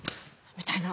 みたいな。